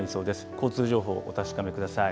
交通情報をお確かめください。